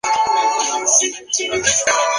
Realizada en piedra, la columna tiene de altura.